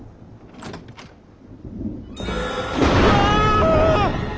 ・・うわ！